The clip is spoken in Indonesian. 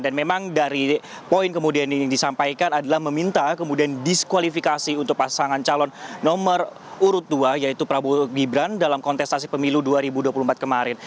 dan memang dari poin kemudian yang disampaikan adalah meminta kemudian diskualifikasi untuk pasangan calon nomor urut dua yaitu prabu gibran dalam kontestasi pemilu dua ribu dua puluh empat kemarin